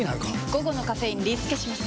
午後のカフェインリスケします！